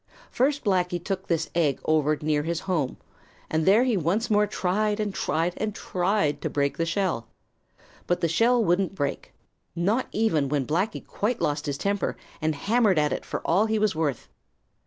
First Blacky took this egg over near his home, and there he once more tried and tried and tried to break the shell. But the shell wouldn't break, not even when Blacky quite lost his temper and hammered at it for all he was worth.